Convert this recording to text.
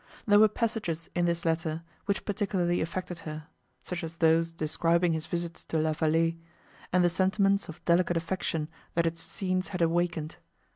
There were passages in this letter which particularly affected her, such as those describing his visits to La Vallée, and the sentiments of delicate affection that its scenes had awakened.